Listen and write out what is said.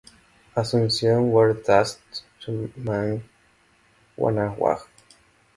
Asuncion were tasked to man Bannawag.